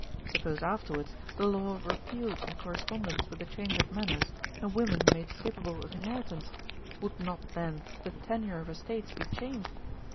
Suppose afterwards the law repealed in correspondence with a change of manners, and women made capable of inheritance; would not then the tenure of estates be changed?